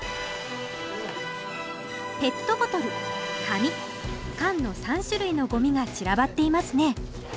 ペットボトル紙缶の３種類のゴミが散らばっていますね。